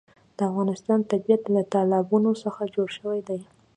د افغانستان طبیعت له تالابونه څخه جوړ شوی دی.